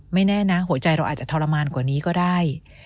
แน่นะหัวใจเราอาจจะทรมานกว่านี้ก็ได้